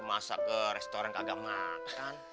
masak ke restoran kagak makan